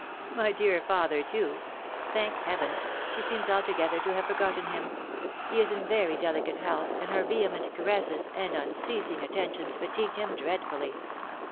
My dear father too ! Thank heaven ! she seems alto gether to have forgotten him ; he is in very delicate health, and her vehement caresses, and unceasing attentions fatigued liim dreadfully.